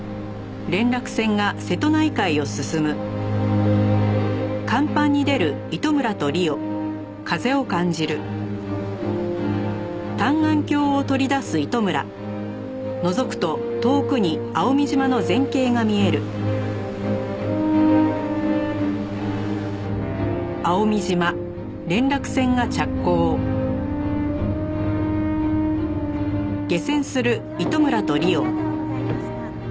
「ご乗船ありがとうございました」